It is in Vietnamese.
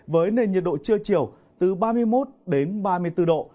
với nền nhiệt độ trưa chiều từ ba mươi một đến ba mươi bốn độ